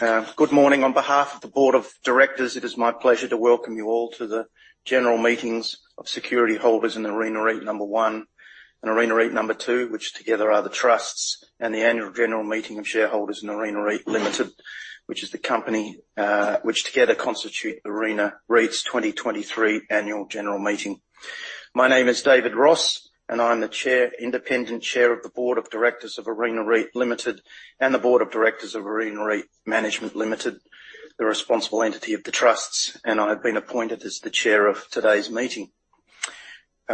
Good morning. On behalf of the Board of Directors, it is my pleasure to welcome you all to the general meetings of security holders in Arena REIT number one and Arena REIT number two, which together are the trusts, and the annual general meeting of shareholders in Arena REIT Limited, which is the company, which together constitute Arena REIT's 2023 annual general meeting. My name is David Ross, and I'm the independent Chair of the Board of Directors of Arena REIT Limited, and the board of directors of Arena REIT Management Limited, the responsible entity of the trusts, and I have been appointed as the Chair of today's meeting.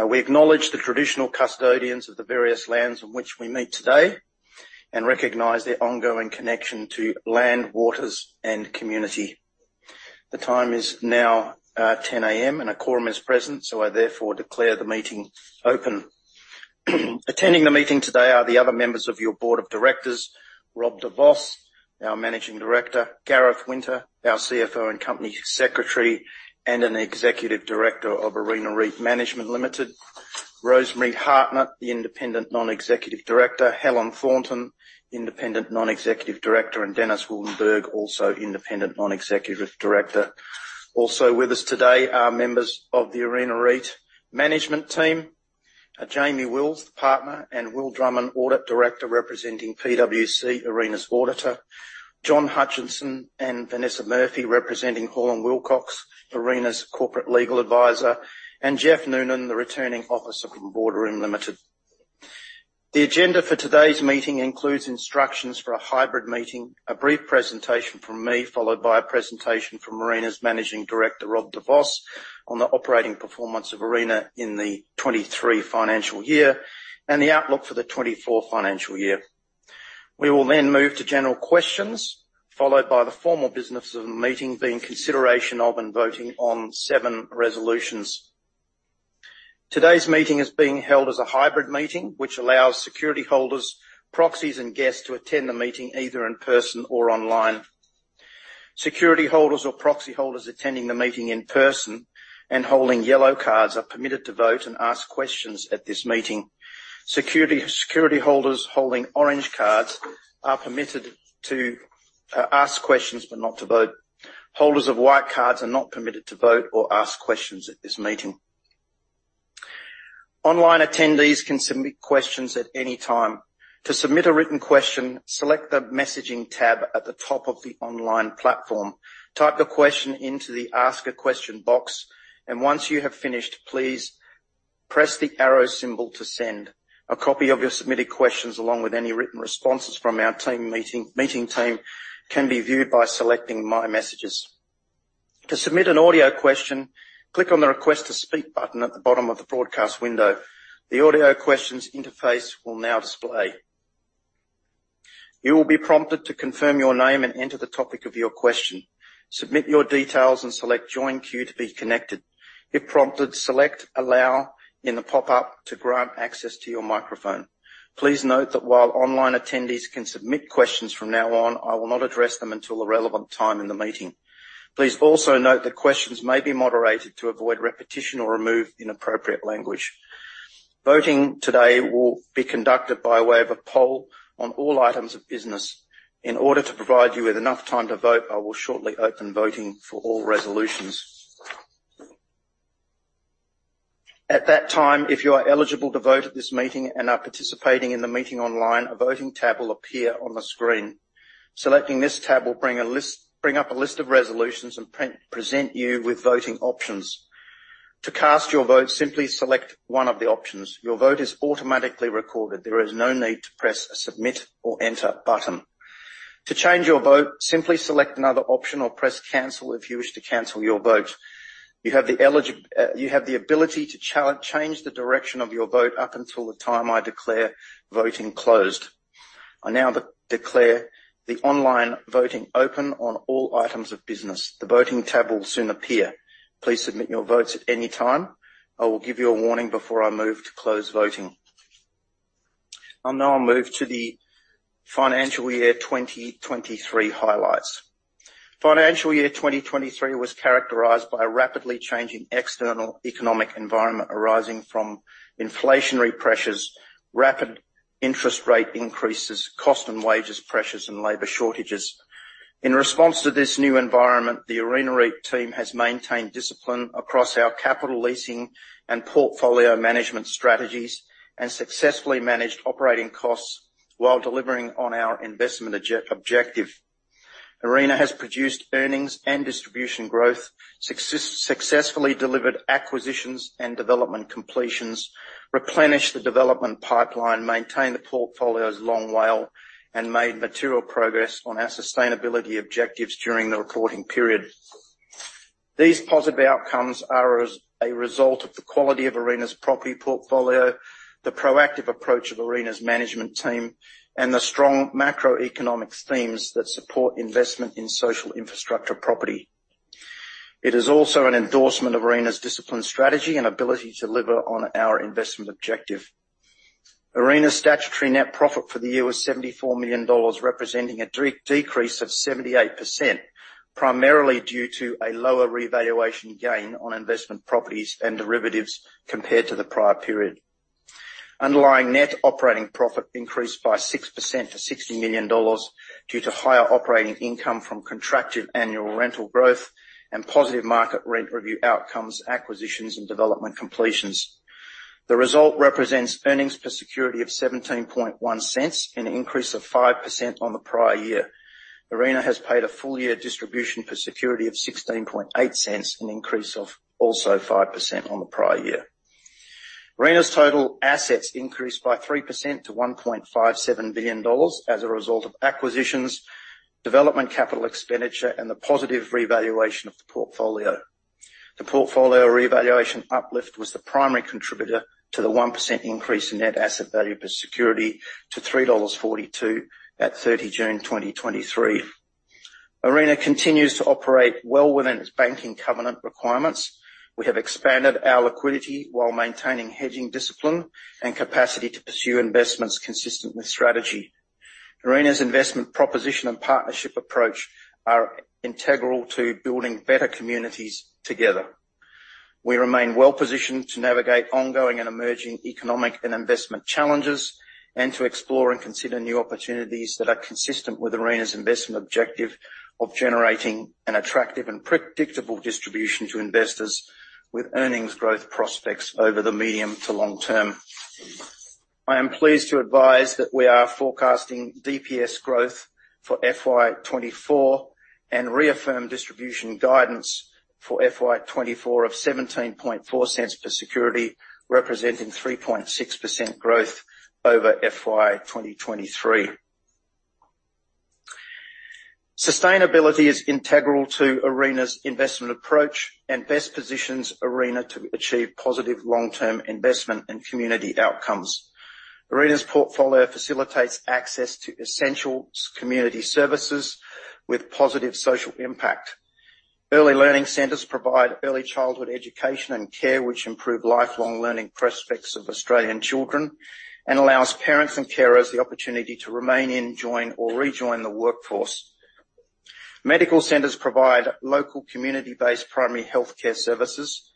We acknowledge the traditional custodians of the various lands on which we meet today, and recognize their ongoing connection to land, waters, and community. The time is now 10:00 A.M., and a quorum is present, so I therefore declare the meeting open. Attending the meeting today are the other members of your board of directors, Rob de Vos, our Managing Director, Gareth Winter, our CFO and Company Secretary, and an Executive Director of Arena REIT Management Limited. Rosemary Hartnett, the independent non-executive director, Helen Thornton, independent non-executive director, and Dennis Wildenburg, also independent non-executive director. Also with us today are members of the Arena REIT management team, Jamie Wills, Partner, and Will Drummond, Audit Director, representing PwC, Arena's auditor. John Hutchinson and Vanessa Murphy, representing Hall & Wilcox, Arena's corporate legal advisor, and Jeff Noonan, the returning officer from Boardroom Limited. The agenda for today's meeting includes instructions for a hybrid meeting, a brief presentation from me, followed by a presentation from Arena's Managing Director, Rob de Vos, on the operating performance of Arena in the 2023 financial year, and the outlook for the 2024 financial year. We will then move to general questions, followed by the formal business of the meeting, being consideration of and voting on seven resolutions. Today's meeting is being held as a hybrid meeting, which allows security holders, proxies, and guests to attend the meeting either in person or online. Security holders or proxy holders attending the meeting in person and holding yellow cards are permitted to vote and ask questions at this meeting. Security holders holding orange cards are permitted to ask questions, but not to vote. Holders of white cards are not permitted to vote or ask questions at this meeting. Online attendees can submit questions at any time. To submit a written question, select the Messaging tab at the top of the online platform. Type the question into the Ask a Question box, and once you have finished, please press the arrow symbol to send. A copy of your submitted questions, along with any written responses from our meeting team, can be viewed by selecting My Messages. To submit an audio question, click on the Request to Speak button at the bottom of the broadcast window. The audio questions interface will now display. You will be prompted to confirm your name and enter the topic of your question. Submit your details, and select Join Queue to be connected. If prompted, select Allow in the pop-up to grant access to your microphone. Please note that while online attendees can submit questions from now on, I will not address them until the relevant time in the meeting. Please also note that questions may be moderated to avoid repetition or remove inappropriate language. Voting today will be conducted by way of a poll on all items of business. In order to provide you with enough time to vote, I will shortly open voting for all resolutions. At that time, if you are eligible to vote at this meeting and are participating in the meeting online, a voting tab will appear on the screen. Selecting this tab will bring up a list of resolutions and pre-present you with voting options. To cast your vote, simply select one of the options. Your vote is automatically recorded. There is no need to press a Submit or Enter button. To change your vote, simply select another option or press Cancel if you wish to cancel your vote. You have the ability to change the direction of your vote up until the time I declare voting closed. I now declare the online voting open on all items of business. The voting tab will soon appear. Please submit your votes at any time. I will give you a warning before I move to close voting. I'll now move to the financial year 2023 highlights. Financial year 2023 was characterized by a rapidly changing external economic environment arising from inflationary pressures, rapid interest rate increases, cost and wages pressures, and labor shortages. In response to this new environment, the Arena REIT team has maintained discipline across our capital leasing and portfolio management strategies, and successfully managed operating costs while delivering on our investment objective. Arena has produced earnings and distribution growth, successfully delivered acquisitions and development completions, replenished the development pipeline, maintained the portfolio's long WALE, and made material progress on our sustainability objectives during the reporting period. These positive outcomes are as a result of the quality of Arena's property portfolio, the proactive approach of Arena's management team, and the strong macroeconomics themes that support investment in social infrastructure property. It is also an endorsement of Arena's discipline, strategy, and ability to deliver on our investment objective. Arena's statutory net profit for the year was AUD 74 million, representing a decrease of 78%, primarily due to a lower revaluation gain on investment properties and derivatives compared to the prior period. Underlying net operating profit increased by 6% to 60 million dollars due to higher operating income from contractive annual rental growth and positive market rent review outcomes, acquisitions, and development completions. The result represents earnings per security of 0.171, an increase of 5% on the prior year. Arena has paid a full year distribution per security of 0.168, an increase of also 5% on the prior year. Arena's total assets increased by 3% to 1.57 billion dollars as a result of acquisitions, development, capital expenditure, and the positive revaluation of the portfolio. The portfolio revaluation uplift was the primary contributor to the 1% increase in net asset value per security to 3.42 dollars at 30 June 2023. Arena continues to operate well within its banking covenant requirements. We have expanded our liquidity while maintaining hedging discipline and capacity to pursue investments consistent with strategy. Arena's investment proposition and partnership approach are integral to building better communities together. We remain well-positioned to navigate ongoing and emerging economic and investment challenges, and to explore and consider new opportunities that are consistent with Arena's investment objective of generating an attractive and predictable distribution to investors with earnings growth prospects over the medium to long term. I am pleased to advise that we are forecasting DPS growth for FY 2024, and reaffirm distribution guidance for FY 2024 of 0.174 per security, representing 3.6% growth over FY 2023. Sustainability is integral to Arena's investment approach and best positions Arena to achieve positive long-term investment and community outcomes. Arena's portfolio facilitates access to essential community services with positive social impact. Early learning centers provide early childhood education and care, which improve lifelong learning prospects of Australian children, and allows parents and carers the opportunity to remain in, join, or rejoin the workforce. Medical centers provide local, community-based primary healthcare services,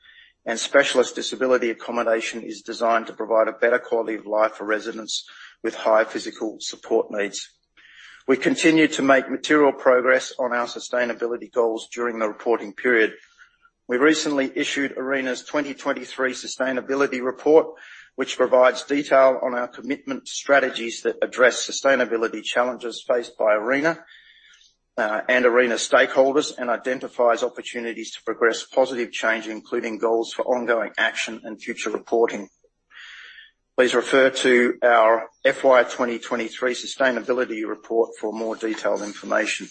and specialist disability accommodation is designed to provide a better quality of life for residents with high physical support needs. We continued to make material progress on our sustainability goals during the reporting period. We recently issued Arena's 2023 sustainability report, which provides detail on our commitment strategies that address sustainability challenges faced by Arena, and Arena stakeholders, and identifies opportunities to progress positive change, including goals for ongoing action and future reporting. Please refer to our FY 2023 sustainability report for more detailed information.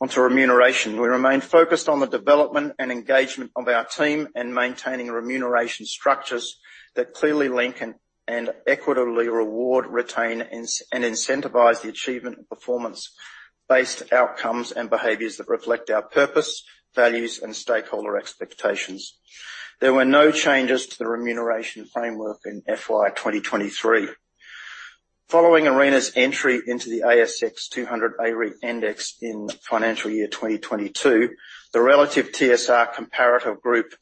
On to remuneration. We remain focused on the development and engagement of our team, and maintaining remuneration structures that clearly link and equitably reward, retain, and incentivize the achievement of performance-based outcomes and behaviors that reflect our purpose, values, and stakeholder expectations. There were no changes to the remuneration framework in FY 2023. Following Arena's entry into the ASX 200 AREIT Index in financial year 2022, the relative TSR comparator group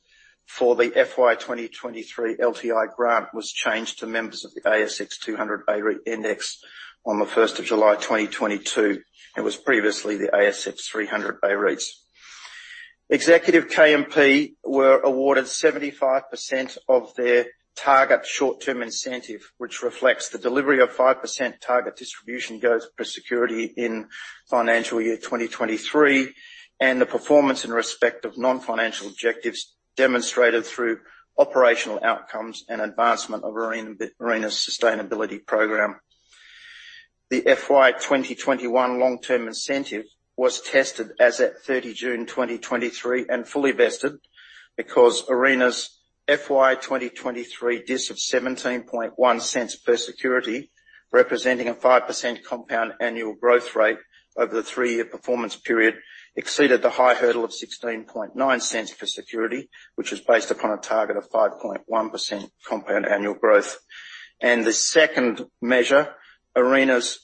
for the FY 2023 LTI grant was changed to members of the ASX 200 AREIT Index on the first of July 2022. It was previously the ASX 300 AREITs. Executive KMP were awarded 75% of their target short-term incentive, which reflects the delivery of 5% target distribution growth per security in financial year 2023, and the performance in respect of non-financial objectives demonstrated through operational outcomes and advancement of Arena, Arena's sustainability program. The FY 2021 long-term incentive was tested as at 30 June 2023, and fully vested because Arena's FY 2023 DIS of 0.171 per security, representing a 5% compound annual growth rate over the 3-year performance period, exceeded the high hurdle of 0.169 per security, which is based upon a target of 5.1% compound annual growth. The second measure, Arena's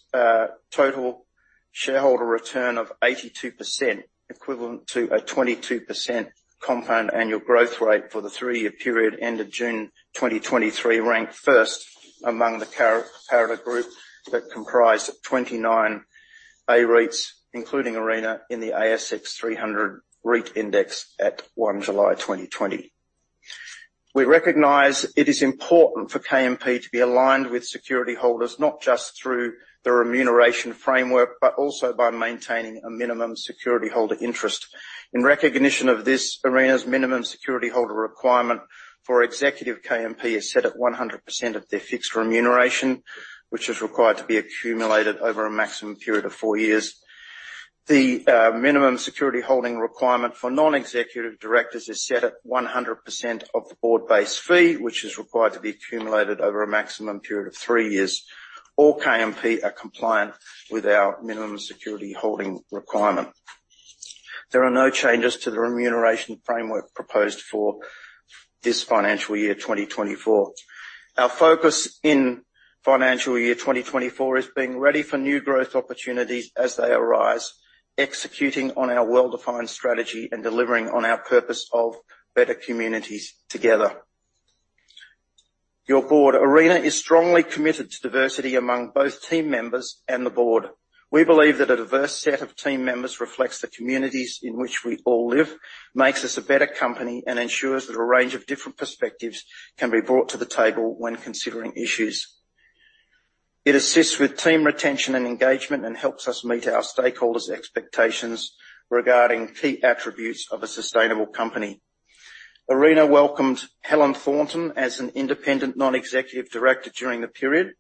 total shareholder return of 82%, equivalent to a 22% compound annual growth rate for the 3-year period end of June 2023, ranked first among the comparator group that comprised of 29 AREITs, including Arena, in the ASX 300 AREIT Index at 1 July 2020. We recognize it is important for KMP to be aligned with security holders, not just through the remuneration framework, but also by maintaining a minimum security holder interest. In recognition of this, Arena's minimum security holder requirement for executive KMP is set at 100% of their fixed remuneration, which is required to be accumulated over a maximum period of 4 years. The minimum security holding requirement for non-executive directors is set at 100% of the board-based fee, which is required to be accumulated over a maximum period of 3 years. All KMP are compliant with our minimum security holding requirement. There are no changes to the remuneration framework proposed for this financial year 2024. Our focus in financial year 2024 is being ready for new growth opportunities as they arise, executing on our well-defined strategy, and delivering on our purpose of better communities together.... Your board. Arena is strongly committed to diversity among both team members and the board. We believe that a diverse set of team members reflects the communities in which we all live, makes us a better company, and ensures that a range of different perspectives can be brought to the table when considering issues. It assists with team retention and engagement, and helps us meet our stakeholders' expectations regarding key attributes of a sustainable company. Arena welcomed Helen Thornton as an independent non-executive director during the period.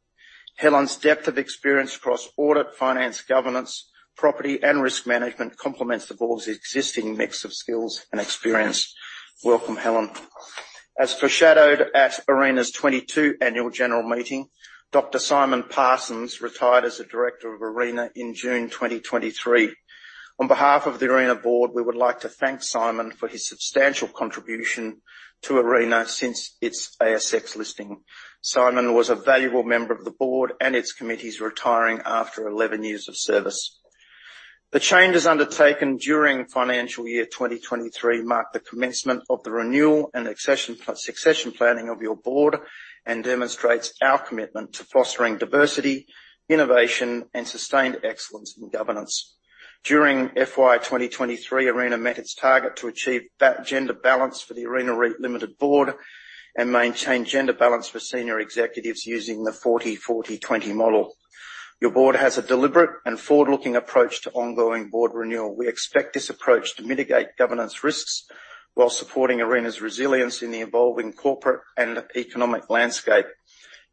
Helen's depth of experience across audit, finance, governance, property, and risk management complements the board's existing mix of skills and experience. Welcome, Helen. As foreshadowed at Arena's 2022 Annual General Meeting, Dr. Simon Parsons retired as a director of Arena in June 2023. On behalf of the Arena board, we would like to thank Simon for his substantial contribution to Arena since its ASX listing. Simon was a valuable member of the board and its committees, retiring after 11 years of service. The changes undertaken during financial year 2023 marked the commencement of the renewal and succession planning of your board, and demonstrates our commitment to fostering diversity, innovation, and sustained excellence in governance. During FY 2023, Arena met its target to achieve a gender balance for the Arena Limited board, and maintained gender balance for senior executives using the 40, 40, 20 model. Your board has a deliberate and forward-looking approach to ongoing board renewal. We expect this approach to mitigate governance risks while supporting Arena's resilience in the evolving corporate and economic landscape.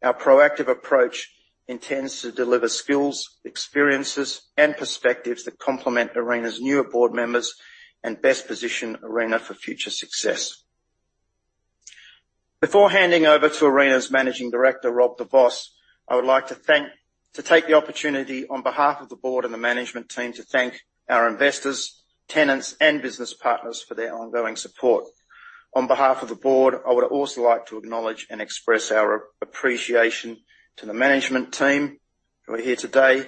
Our proactive approach intends to deliver skills, experiences, and perspectives that complement Arena's newer board members and best position Arena for future success. Before handing over to Arena's Managing Director, Rob de Vos, I would like to take the opportunity, on behalf of the board and the management team, to thank our investors, tenants, and business partners for their ongoing support. On behalf of the board, I would also like to acknowledge and express our appreciation to the management team who are here today,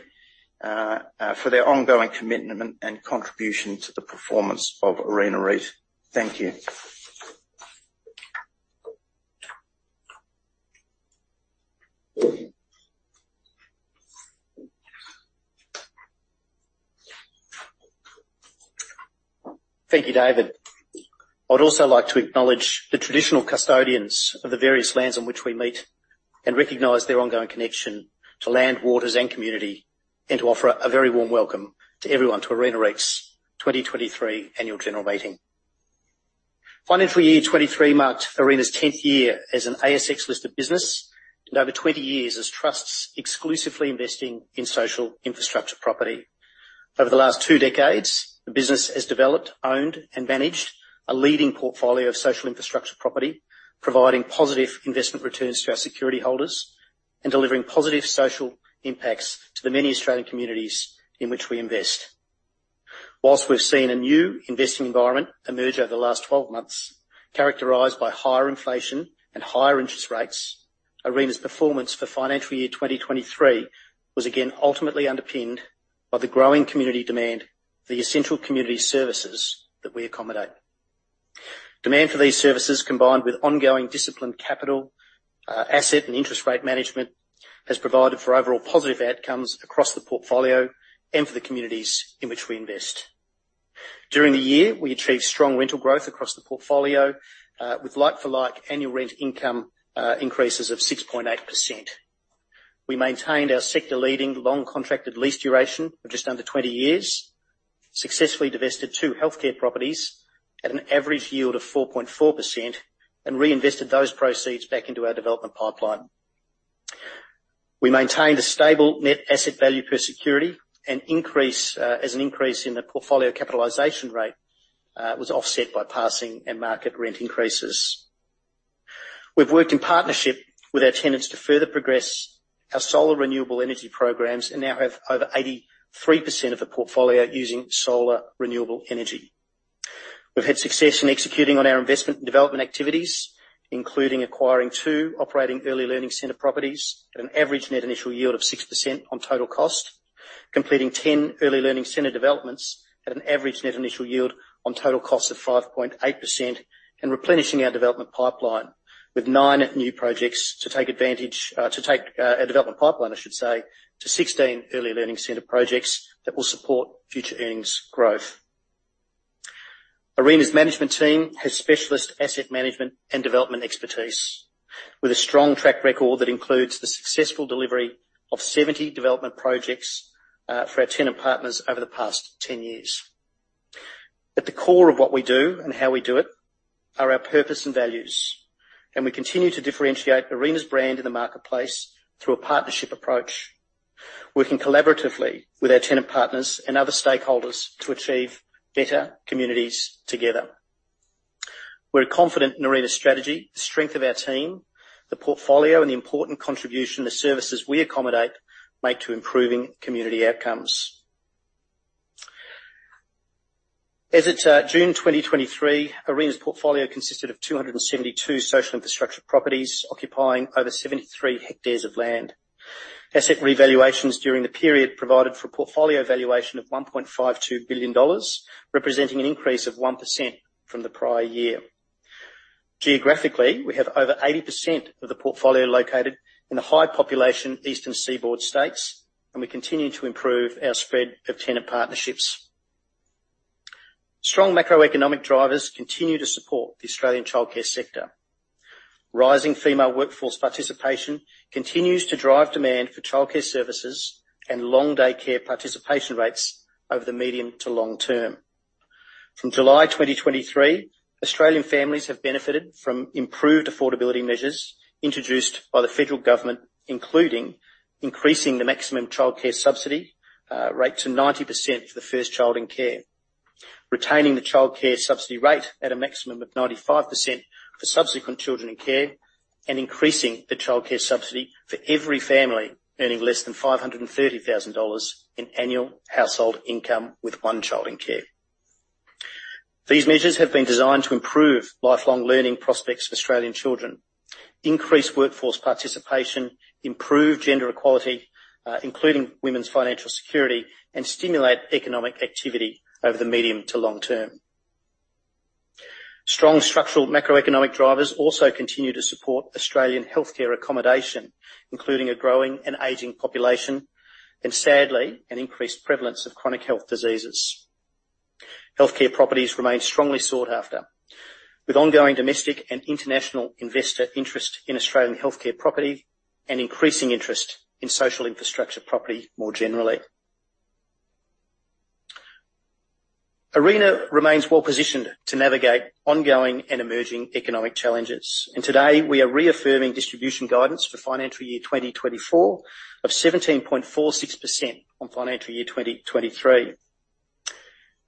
for their ongoing commitment and contribution to the performance of Arena REIT. Thank you. Thank you, David. I'd also like to acknowledge the traditional custodians of the various lands on which we meet, and recognize their ongoing connection to land, waters, and community, and to offer a very warm welcome to everyone to Arena REIT's 2023 Annual General Meeting. Financial year 2023 marked Arena's 10th year as an ASX-listed business, and over 20 years as trusts exclusively investing in social infrastructure property. Over the last two decades, the business has developed, owned, and managed a leading portfolio of social infrastructure property, providing positive investment returns to our security holders and delivering positive social impacts to the many Australian communities in which we invest. While we've seen a new investing environment emerge over the last 12 months, characterized by higher inflation and higher interest rates, Arena's performance for financial year 2023 was again ultimately underpinned by the growing community demand for the essential community services that we accommodate. Demand for these services, combined with ongoing disciplined capital, asset and interest rate management, has provided for overall positive outcomes across the portfolio and for the communities in which we invest. During the year, we achieved strong rental growth across the portfolio, with like-for-like annual rent income increases of 6.8%. We maintained our sector-leading, long contracted lease duration of just under 20 years, successfully divested 2 healthcare properties at an average yield of 4.4%, and reinvested those proceeds back into our development pipeline. We maintained a stable net asset value per security, and increase, as an increase in the portfolio capitalization rate, was offset by passing and market rent increases. We've worked in partnership with our tenants to further progress our solar renewable energy programs, and now have over 83% of the portfolio using solar renewable energy. We've had success in executing on our investment and development activities, including acquiring two operating early learning center properties at an average net initial yield of 6% on total cost, completing 10 early learning center developments at an average net initial yield on total cost of 5.8%, and replenishing our development pipeline with nine new projects to take advantage, a development pipeline, I should say, to 16 early learning center projects that will support future earnings growth. Arena's management team has specialist asset management and development expertise, with a strong track record that includes the successful delivery of 70 development projects for our tenant partners over the past 10 years. At the core of what we do and how we do it are our purpose and values, and we continue to differentiate Arena's brand in the marketplace through a partnership approach, working collaboratively with our tenant partners and other stakeholders to achieve better communities together. We're confident in Arena's strategy, the strength of our team, the portfolio, and the important contribution the services we accommodate make to improving community outcomes. As at June 2023, Arena's portfolio consisted of 272 social infrastructure properties, occupying over 73 hectares of land.... Our asset revaluations during the period provided for portfolio valuation of 1.52 billion dollars, representing an increase of 1% from the prior year. Geographically, we have over 80% of the portfolio located in the high population Eastern Seaboard states, and we continue to improve our spread of tenant partnerships. Strong macroeconomic drivers continue to support the Australian childcare sector. Rising female workforce participation continues to drive demand for childcare services and long daycare participation rates over the medium to long term. From July 2023, Australian families have benefited from improved affordability measures introduced by the federal government, including increasing the maximum childcare subsidy rate to 90% for the first child in care, retaining the childcare subsidy rate at a maximum of 95% for subsequent children in care, and increasing the childcare subsidy for every family earning less than 530,000 dollars in annual household income with one child in care. These measures have been designed to improve lifelong learning prospects for Australian children, increase workforce participation, improve gender equality, including women's financial security, and stimulate economic activity over the medium to long term. Strong structural macroeconomic drivers also continue to support Australian healthcare accommodation, including a growing and aging population, and sadly, an increased prevalence of chronic health diseases. Healthcare properties remain strongly sought after, with ongoing domestic and international investor interest in Australian healthcare property and increasing interest in social infrastructure property more generally. Arena remains well positioned to navigate ongoing and emerging economic challenges, and today, we are reaffirming distribution guidance for financial year 2024 of 17.4 cents on financial year 2023.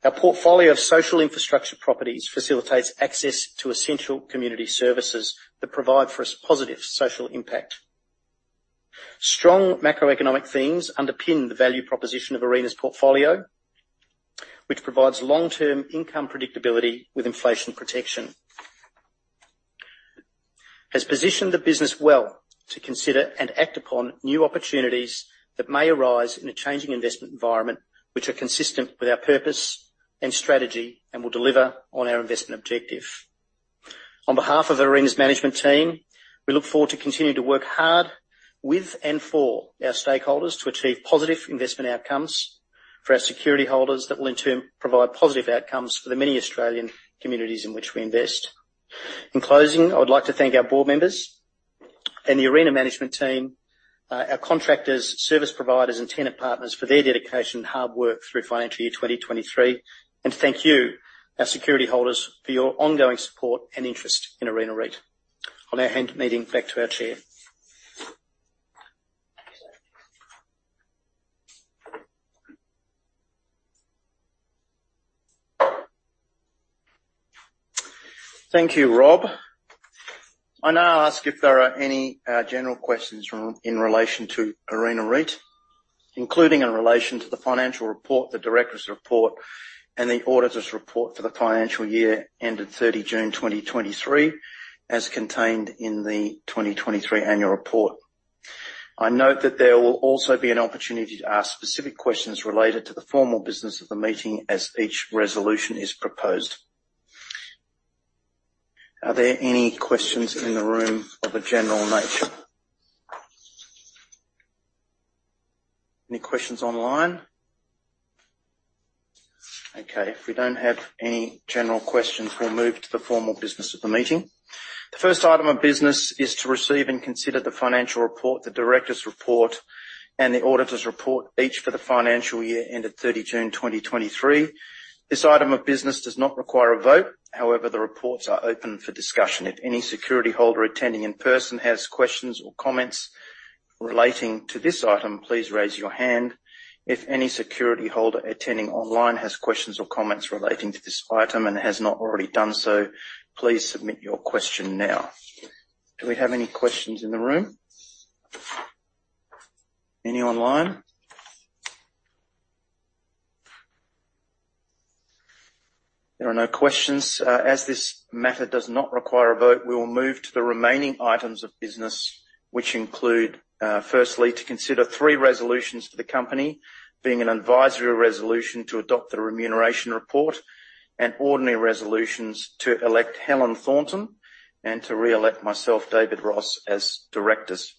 Our portfolio of social infrastructure properties facilitates access to essential community services that provide for a positive social impact. Strong macroeconomic themes underpin the value proposition of Arena's portfolio, which provides long-term income predictability with inflation protection. Has positioned the business well to consider and act upon new opportunities that may arise in a changing investment environment, which are consistent with our purpose and strategy, and will deliver on our investment objective. On behalf of Arena's management team, we look forward to continuing to work hard with and for our stakeholders to achieve positive investment outcomes for our security holders that will in turn provide positive outcomes for the many Australian communities in which we invest. In closing, I would like to thank our board members and the Arena management team, our contractors, service providers, and tenant partners for their dedication and hard work through financial year 2023, and thank you, our security holders, for your ongoing support and interest in Arena REIT. Now, handing the meeting back to our chair. Thank you, Rob. I now ask if there are any general questions from, in relation to Arena REIT, including in relation to the financial report, the directors' report, and the auditor's report for the financial year ended 30 June 2023, as contained in the 2023 annual report. I note that there will also be an opportunity to ask specific questions related to the formal business of the meeting as each resolution is proposed. Are there any questions in the room of a general nature? Any questions online? Okay, if we don't have any general questions, we'll move to the formal business of the meeting. The first item of business is to receive and consider the financial report, the directors' report, and the auditor's report, each for the financial year ended 30 June 2023. This item of business does not require a vote. However, the reports are open for discussion. If any security holder attending in person has questions or comments relating to this item, please raise your hand. If any security holder attending online has questions or comments relating to this item and has not already done so, please submit your question now. Do we have any questions in the room? Any online? There are no questions. As this matter does not require a vote, we will move to the remaining items of business, which include, firstly, to consider three resolutions for the company, being an advisory resolution to adopt the remuneration report, and ordinary resolutions to elect Helen Thornton and to re-elect myself, David Ross, as directors.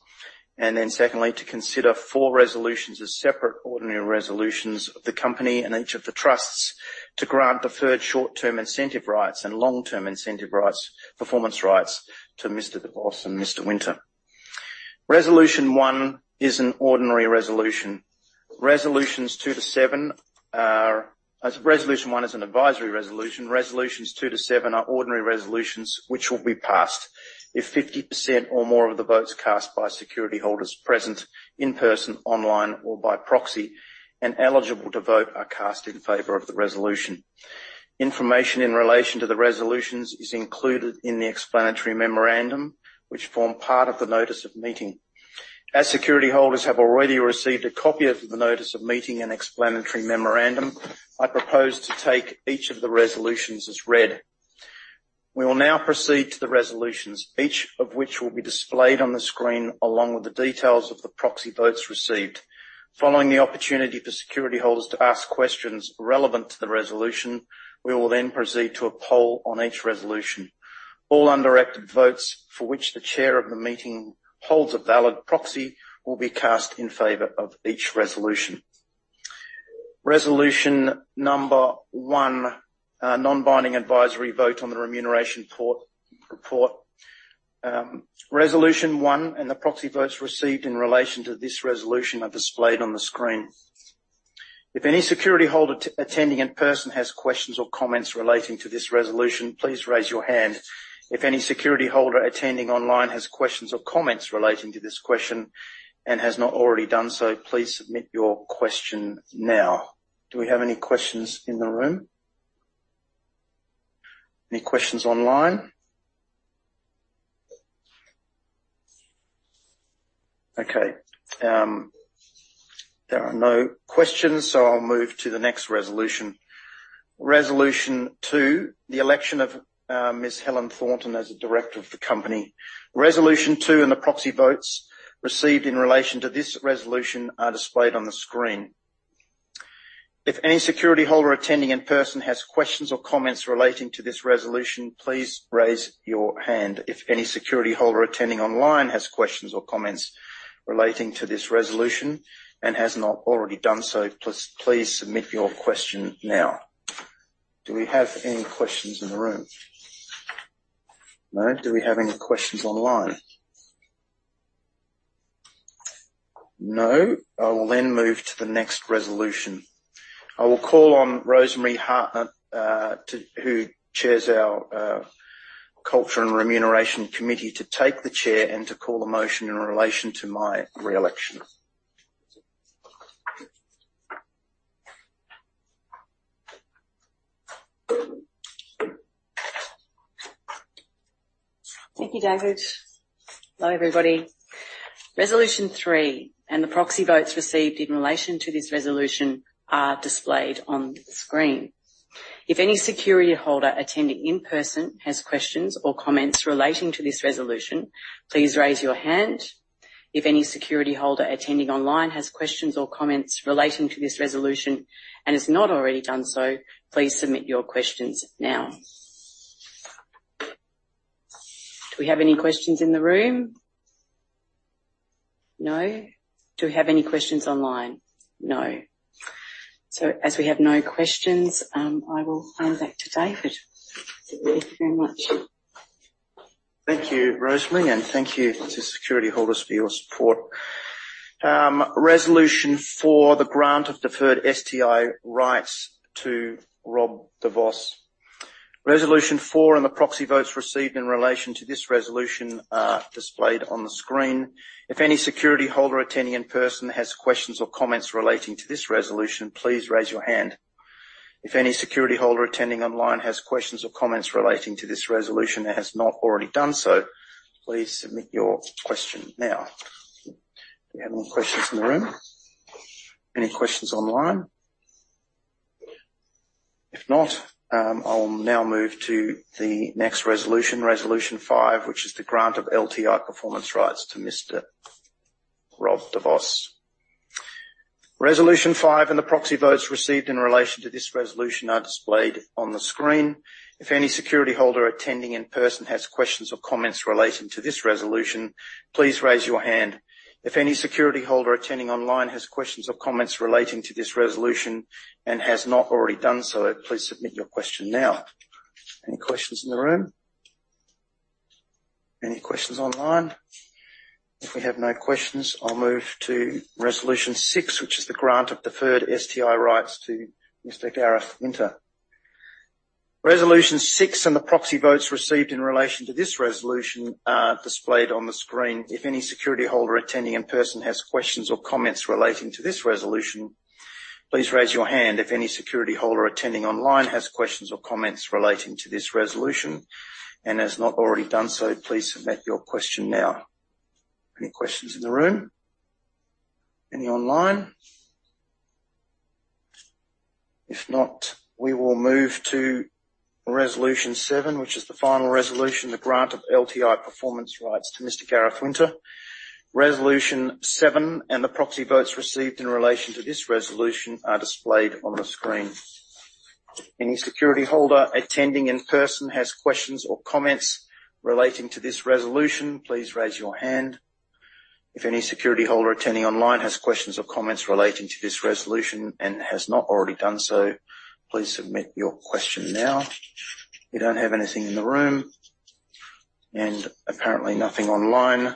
And then secondly, to consider four resolutions as separate ordinary resolutions of the company and each of the trusts to grant deferred short-term incentive rights and long-term incentive rights, performance rights to Mr. de Vos and Mr. Winter. Resolution one is an ordinary resolution. Resolutions two to seven are... Resolution one is an advisory resolution. Resolutions two to seven are ordinary resolutions, which will be passed if 50% or more of the votes cast by security holders present in person, online, or by proxy, and eligible to vote, are cast in favor of the resolution. Information in relation to the resolutions is included in the explanatory memorandum, which form part of the notice of meeting. As security holders have already received a copy of the notice of meeting and explanatory memorandum, I propose to take each of the resolutions as read.... We will now proceed to the resolutions, each of which will be displayed on the screen, along with the details of the proxy votes received. Following the opportunity for security holders to ask questions relevant to the resolution, we will then proceed to a poll on each resolution. All undirected votes, for which the chair of the meeting holds a valid proxy, will be cast in favor of each resolution. Resolution number one, non-binding advisory vote on the remuneration report. Resolution one, and the proxy votes received in relation to this resolution are displayed on the screen. If any security holder attending in person has questions or comments relating to this resolution, please raise your hand. If any security holder attending online has questions or comments relating to this resolution, and has not already done so, please submit your question now. Do we have any questions in the room? Any questions online? Okay, there are no questions, so I'll move to the next resolution. Resolution two, the election of Ms. Helen Thornton as a director of the company. Resolution two, and the proxy votes received in relation to this resolution are displayed on the screen. If any security holder attending in person has questions or comments relating to this resolution, please raise your hand. If any security holder attending online has questions or comments relating to this resolution, and has not already done so, please please submit your question now. Do we have any questions in the room? No. Do we have any questions online? No. I will then move to the next resolution. I will call on Rosemary Hartnett to... who chairs our, Culture and Remuneration Committee, to take the chair and to call a motion in relation to my re-election. Thank you, David. Hello, everybody. Resolution three, and the proxy votes received in relation to this resolution are displayed on the screen. If any security holder attending in person has questions or comments relating to this resolution, please raise your hand. If any security holder attending online has questions or comments relating to this resolution, and has not already done so, please submit your questions now. Do we have any questions in the room? No. Do we have any questions online? No. So as we have no questions, I will hand back to David. Thank you very much. Thank you, Rosemary, and thank you to security holders for your support. Resolution Four the grant of deferred STI rights to Rob de Vos. Resolution 4, and the proxy votes received in relation to this resolution are displayed on the screen. If any security holder attending in person has questions or comments relating to this resolution, please raise your hand. If any security holder attending online has questions or comments relating to this resolution and has not already done so, please submit your question now. Do we have any questions in the room? Any questions online? If not, I'll now move to the next resolution, resolution 5, which is the grant of LTI performance rights to Mr. Rob de Vos. Resolution 5, and the proxy votes received in relation to this resolution are displayed on the screen. If any security holder attending in person has questions or comments relating to this resolution, please raise your hand. If any security holder attending online has questions or comments relating to this resolution and has not already done so, please submit your question now. Any questions in the room? Any questions online? If we have no questions, I'll move to resolution six, which is the grant of deferred STI rights to Mr. Gareth Winter. Resolution six, and the proxy votes received in relation to this resolution are displayed on the screen. If any security holder attending in person has questions or comments relating to this resolution, please raise your hand. If any security holder attending online has questions or comments relating to this resolution and has not already done so, please submit your question now. Any questions in the room? Any online? If not, we will move to resolution seven, which is the final resolution, the grant of LTI performance rights to Mr. Gareth Winter. Resolution seven, and the proxy votes received in relation to this resolution are displayed on the screen. If any security holder attending in person has questions or comments relating to this resolution, please raise your hand. If any security holder attending online has questions or comments relating to this resolution and has not already done so, please submit your question now. We don't have anything in the room, and apparently nothing online.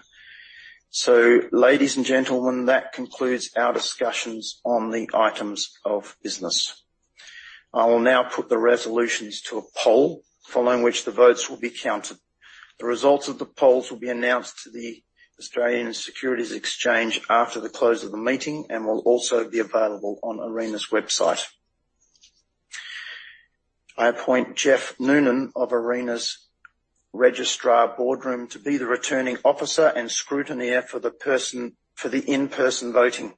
So, ladies and gentlemen, that concludes our discussions on the items of business. I will now put the resolutions to a poll, following which the votes will be counted. The results of the polls will be announced to the Australian Securities Exchange after the close of the meeting and will also be available on Arena's website. I appoint Jeff Noonan of Arena's registrar Boardroom to be the returning officer and scrutineer for the person, for the in-person voting.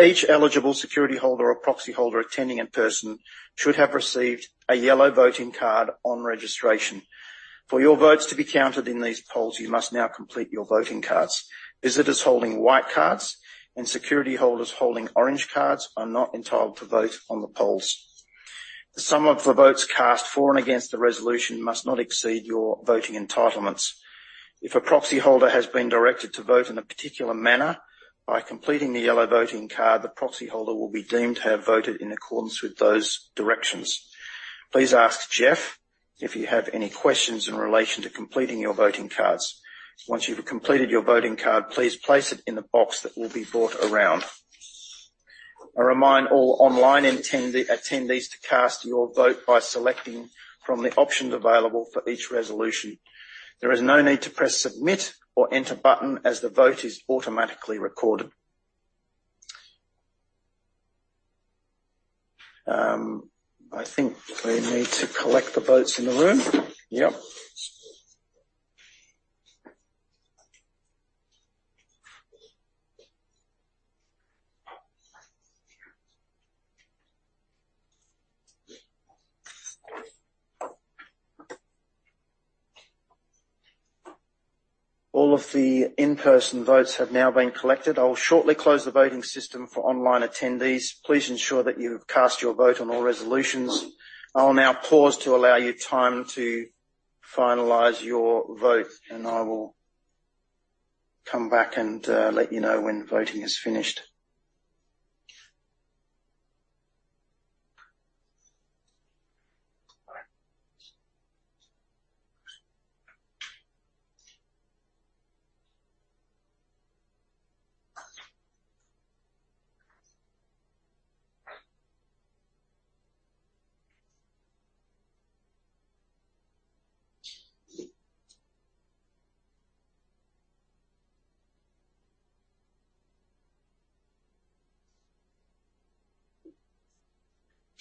Each eligible security holder or proxy holder attending in person should have received a yellow voting card on registration. For your votes to be counted in these polls, you must now complete your voting cards. Visitors holding white cards and security holders holding orange cards are not entitled to vote on the polls. The sum of the votes cast for and against the resolution must not exceed your voting entitlements. If a proxy holder has been directed to vote in a particular manner, by completing the yellow voting card, the proxy holder will be deemed to have voted in accordance with those directions. Please ask Jeff if you have any questions in relation to completing your voting cards. Once you've completed your voting card, please place it in the box that will be brought around. I remind all online attendee, attendees to cast your vote by selecting from the options available for each resolution. There is no need to press, submit, or enter button as the vote is automatically recorded. I think we need to collect the votes in the room. Yep. All of the in-person votes have now been collected. I'll shortly close the voting system for online attendees. Please ensure that you've cast your vote on all resolutions. I'll now pause to allow you time to finalize your vote, and I will come back and let you know when voting is finished.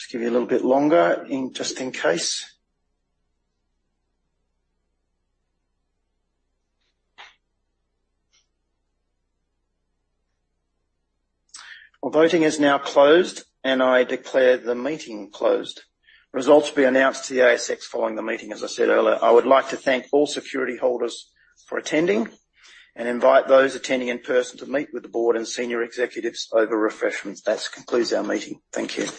Just give you a little bit longer, just in case. Well, voting is now closed, and I declare the meeting closed. Results will be announced to the ASX following the meeting, as I said earlier. I would like to thank all security holders for attending and invite those attending in person to meet with the board and senior executives over refreshments. That concludes our meeting. Thank you.